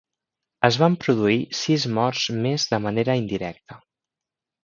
Es van produir sis morts més de manera indirecta.